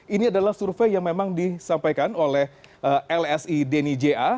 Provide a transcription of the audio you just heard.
ini adalah survei yang memang disampaikan oleh lsi denny ja